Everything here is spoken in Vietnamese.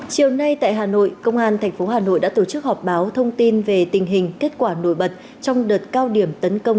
chiều nay tại hà nội công an tp hà nội đã tổ chức họp báo thông tin về tình hình kết quả nổi bật trong đợt cao điểm tấn công